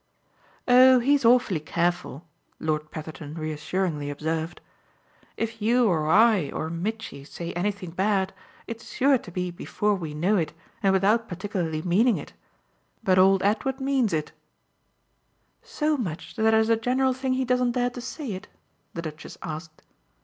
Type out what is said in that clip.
"Oh he's awfully careful," Lord Petherton reassuringly observed. "If you or I or Mitchy say anything bad it's sure to be before we know it and without particularly meaning it. But old Edward means it " "So much that as a general thing he doesn't dare to say it?" the Duchess asked.